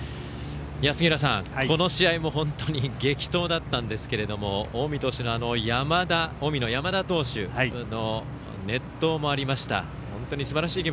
杉浦さん、この試合も本当に激闘だったんですけれども近江の山田投手の熱投もありました。